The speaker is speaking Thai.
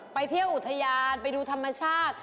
ไปเที่ยวอุทยานไปดูธรรมชาติ